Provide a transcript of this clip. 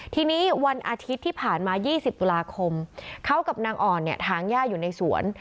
ทีนี้วันอาทิตย์ที่ผ่านมา๒๐ตุลาคมเขากับนางอ่อนเนี่ยถางย่าอยู่ในสวน